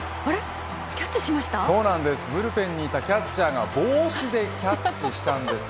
ブルペンにいたキャッチャーが帽子でキャッチしたんです。